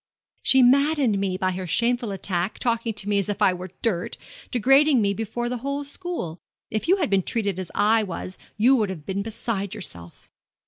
'She maddened me by her shameful attack, talking to me as if I were dirt, degrading me before the whole school. If you had been treated as I was you would have been beside yourself.'